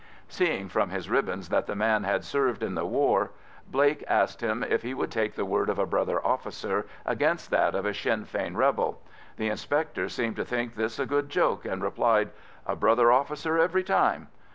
Seeing from his ribbons that the man had served in the war, Blake asked him if he would take the word of a brother officer against that of a Sinn Fein rebel. The inspector seemed to think this a good joke, and replied: "A brother officer every time."